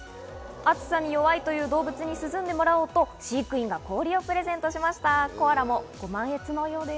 暑さに弱いという動物たちに涼んでもらおうと、飼育員が氷をプレゼントしました。